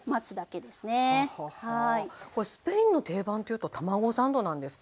これスペインの定番というと卵サンドなんですか？